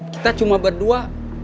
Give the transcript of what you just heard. kita cuma berdua